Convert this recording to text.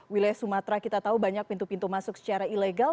wilayah sumatera kita tahu banyak pintu pintu masuk secara ilegal